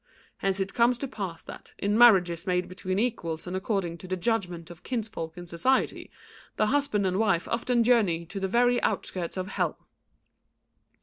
Hence it comes to pass that, in marriages made between equals and according to the judgment of kinsfolk and society, the husband and wife often journey to the very outskirts of hell."